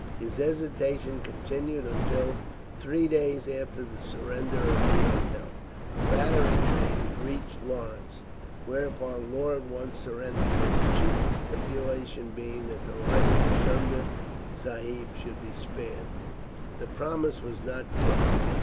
His hesitation continued until, three days after the surrender of D'Auteuil, a battering train reached Lawrence; whereupon Law at once surrendered, his chief stipulation being that the life of Chunda Sahib should be spared. This promise was not kept.